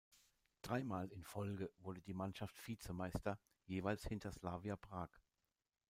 Dreimal in Folge wurde die Mannschaft Vizemeister, jeweils hinter Slavia Prag.